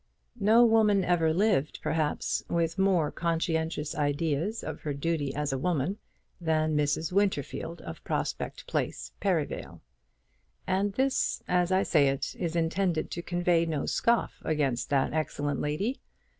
No woman ever lived, perhaps, with more conscientious ideas of her duty as a woman than Mrs. Winterfield of Prospect Place, Perivale. And this, as I say it, is intended to convey no scoff against that excellent lady.